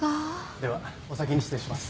ではお先に失礼します。